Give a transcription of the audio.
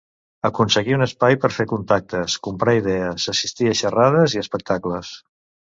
Aconseguir un espai per fer contactes, comparar idees, assistir a xerrades i espectacles.